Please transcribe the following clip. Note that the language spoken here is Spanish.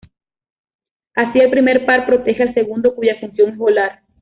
Así el primer par protege al segundo cuya función es volar.